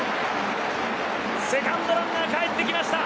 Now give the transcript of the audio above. セカンドランナーかえってきました。